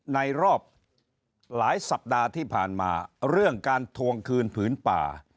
ในรอบหลายสัปดาห์ที่ผ่านมาเรื่องการทวงคืนผืนป่า